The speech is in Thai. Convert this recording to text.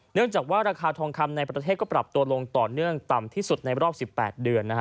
เนื่องจากว่าราคาทองคำในประเทศก็ปรับตัวลงต่อเนื่องต่ำที่สุดในรอบ๑๘เดือนนะฮะ